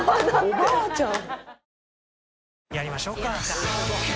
おばあちゃん。